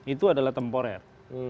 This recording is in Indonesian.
itu adalah temporer